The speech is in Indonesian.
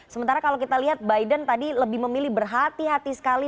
sementara kalau kita lihat biden tadi lebih memilih berhati hati sekali